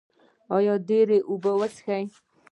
ایا ډیرې اوبه څښئ؟